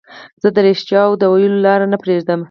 زه د رښتیاوو د ویلو لار نه پريږدم.